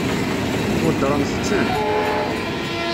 Tweddṛemt-tent?